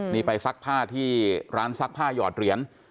นี่ไปซักผ้าที่ร้านซักผ้าหยอดเหรียญ